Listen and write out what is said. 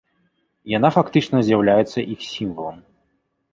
Яна фактычна з'яўляецца іх сімвалам.